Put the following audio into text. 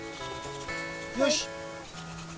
よし！